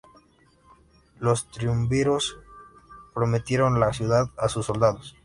Los triunviros prometieron la ciudad a sus soldados.